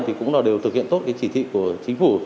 thì cũng là đều thực hiện tốt cái chỉ thị của chính phủ